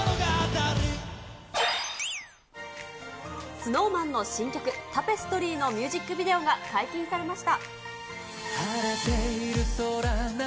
ＳｎｏｗＭａｎの新曲、タペストリーのミュージックビデオが解禁されました。